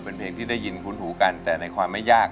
เป็นเพลงที่ได้ยินคุ้นหูกันแต่ในความไม่ยาก